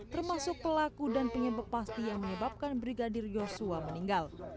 termasuk pelaku dan penyebab pasti yang menyebabkan brigadir yosua meninggal